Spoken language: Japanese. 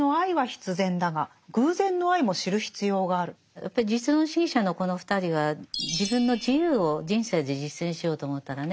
やっぱり実存主義者のこの２人は自分の自由を人生で実践しようと思ったらね